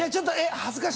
恥ずかしい。